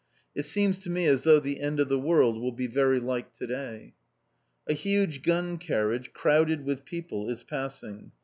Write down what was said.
It seems to me as though the End of the World will be very like to day. A huge gun carriage, crowded with people, is passing.